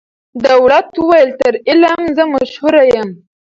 دولت وویل تر علم زه مشهور یم